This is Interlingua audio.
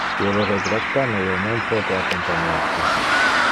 Io lo regretta, ma io non pote accompaniar te.